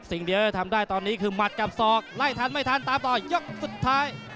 เดี๋ยวจะทำได้ตอนนี้คือหมัดกับศอกไล่ทันไม่ทันตามต่อยกสุดท้าย